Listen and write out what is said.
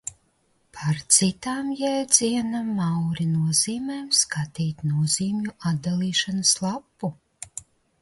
Par citām jēdziena Mauri nozīmēm skatīt nozīmju atdalīšanas lapu.